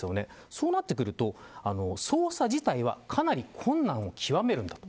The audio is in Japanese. そうなってくると、捜査自体はかなり困難を極めるんだと。